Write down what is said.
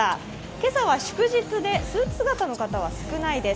今朝は祝日でスーツ姿の方は少ないです。